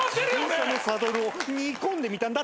自転車のサドルを煮込んでみたんだ。